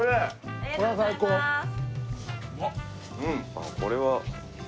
ああこれは。